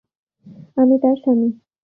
আমি তার স্বামী।